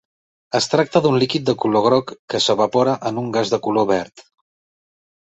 Es tracta d'un líquid de color groc que s'evapora en un gas de color verd.